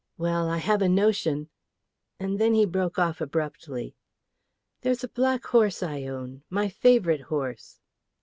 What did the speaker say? Well, I have a notion " and then he broke off abruptly. "There's a black horse I own, my favourite horse."